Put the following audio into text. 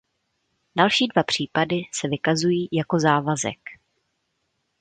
Další dva případy se vykazují jako závazek.